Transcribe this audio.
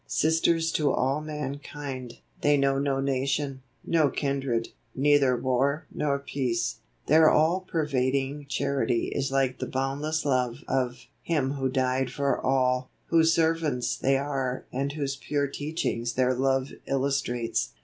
Sisters to all mankind, they know no nation, no kindred, neither war nor peace. Their all pervading charity is like the boundless love of 'Him who died for all,' whose servants they are and whose pure teachings their love illustrates.